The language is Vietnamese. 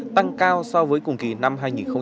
tăng cao so với cùng kỳ năm hai nghìn một mươi tám